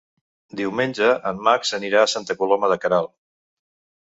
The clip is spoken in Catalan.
Diumenge en Max anirà a Santa Coloma de Queralt.